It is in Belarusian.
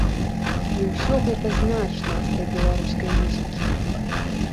І ўсё гэта значна для беларускай музыкі.